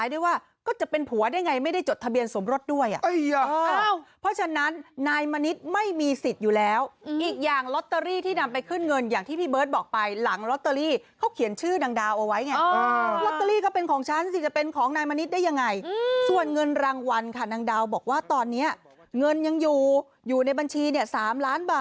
เดี๋ยวจะโอนเงินมาให้ลูกสาวคนเล็กอายุ๑๑ขวบเท่านั้นคุณผู้ชม